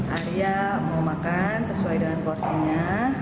arya mau makan sesuai dengan porsinya